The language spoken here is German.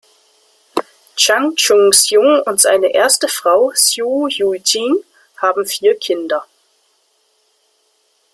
Chang Chun-hsiung und seine erste Frau Hsu Jui-ying haben vier Kinder.